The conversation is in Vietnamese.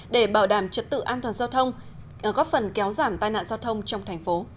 để bảo đảm trật tự an toàn góp phần kéo giảm tai nạn giao thông trong thành phố